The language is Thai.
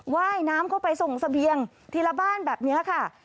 ว่ายน้ำเข้าไปส่งเสบียงทีละบ้านแบบนี้ค่ะ